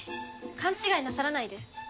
勘違いなさらないで。